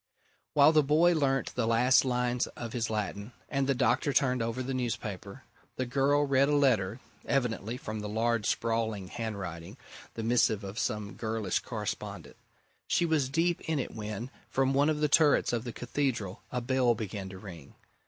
While the boy learnt the last lines of his Latin, and the doctor turned over the newspaper, the girl read a letter evidently, from the large sprawling handwriting, the missive of some girlish correspondent. She was deep in it when, from one of the turrets of the Cathedral, a bell began to ring.